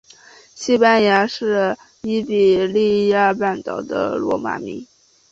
西班牙是伊比利亚半岛的罗马名。